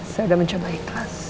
saya udah mencoba ikhlas